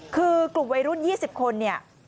คือกลุ่มวัยรุ่น๒๐คนเนี่ย